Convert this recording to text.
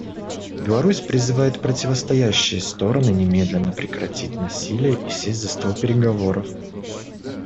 Беларусь призывает противостоящие стороны немедленно прекратить насилие и сесть за стол переговоров.